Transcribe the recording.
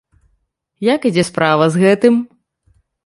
Як ідзе справа з гэтым?